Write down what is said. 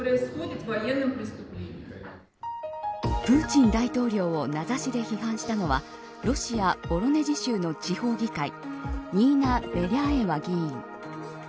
プーチン大統領を名指しで批判したのはロシア、ボロネジ州の地方議会ニーナ・ベリャーエワ議員。